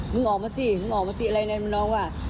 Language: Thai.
มึงออกมาสิมึงออกมาสิอะไรนี่มึงนอกว่า